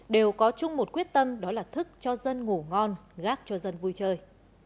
đều có chung một quyết tâm đó là thức cho dân ngủ ngon gác cho dân vui chơi